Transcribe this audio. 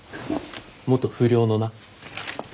元不良のな。